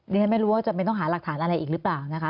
ฉันไม่รู้ว่าจำเป็นต้องหาหลักฐานอะไรอีกหรือเปล่านะคะ